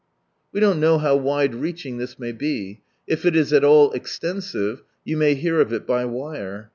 We don't know how wide reaching this may be. If it is at all extensive you Typhoon is the may hear of it by wire.